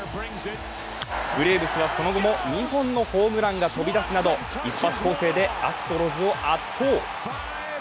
ブレーブスはその後も２本のホームランが飛び出すなど、一発攻勢でアストロズを圧倒。